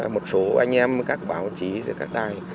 một số anh em các báo chí các đài